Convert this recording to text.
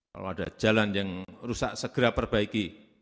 kalau ada jalan yang rusak segera perbaiki